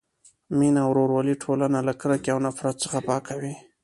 مینه او ورورولي ټولنه له کرکې او نفرت څخه پاکوي.